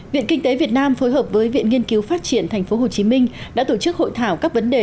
viện kinh tế việt nam phối hợp với viện nghiên cứu phát triển tp hcm đã tổ chức hội thảo các vấn đề